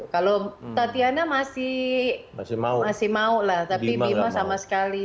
kalau tatiana masih mau lah tapi bima sama sekali